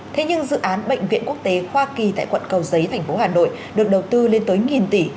thế nhưng dự án bệnh viện quốc tế hoa kỳ tại quận cầu giấy thành phố hà nội được đầu tư lên tới tỷ